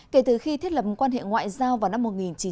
kể từ khi thiết lập quan hệ ngoại giao vào năm một nghìn chín trăm bảy mươi